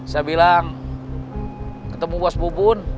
saya bilang ketemu was bubun